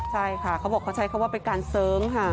ใช่ค่ะเขาบอกใช้แปลกว่าเป็นการเส้งค่ะ